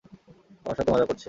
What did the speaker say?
আমার সাথে মজা করছেন!